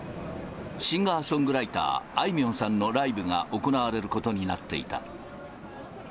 シンガーソングライター、あいみょんさんのライブが行われることになっていた。